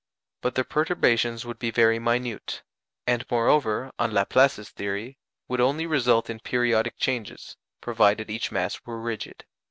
But their perturbations would be very minute, and moreover, on Laplace's theory, would only result in periodic changes, provided each mass were rigid.